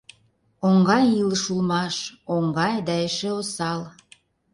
Оҥай илыш улмаш Оҥай да эше осал.